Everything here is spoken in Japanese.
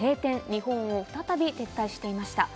日本を再び撤退していました。